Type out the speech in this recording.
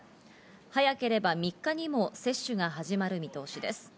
早ければ３日にも接種が始まる見通しです。